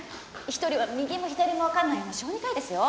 一人は右も左も分かんないような小児科医ですよ。